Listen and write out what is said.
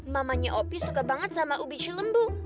mamanya opi suka banget sama ubi cilembu